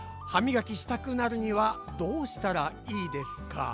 はみがきしたくなるにはどうしたらいいですか？」。